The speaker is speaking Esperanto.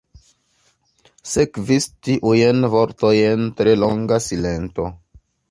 Sekvis tiujn vortojn tre longa silento.